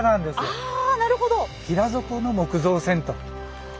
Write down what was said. ああなるほど。